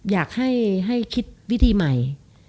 อยากให้คิดวิธีใหม่